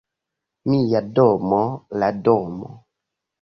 Mia domo, la domo.